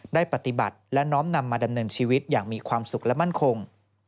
ได้ปฏิบัติและน้อมนำมาดำเนินชีวิตอย่างมีความสุขและมั่นคง